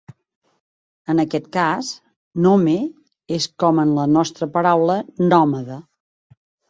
En aquest cas, -nome és com en la nostra paraula nòmada.